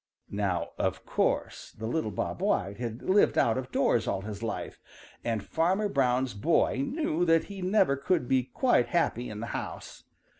Now of course the little Bob White had lived out of doors all his life, and Farmer Brown's boy knew that he never could be quite happy in the house.